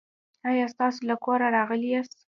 آیا تاسو له کوره راغلي یاست؟